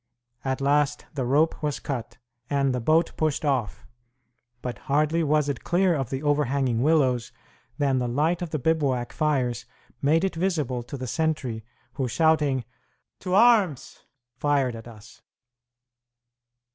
At last the rope was cut, and the boat pushed off. But hardly was it clear of the overhanging willows than the light of the bivouac fires made it visible to the sentry, who, shouting "To arms!" fired at us.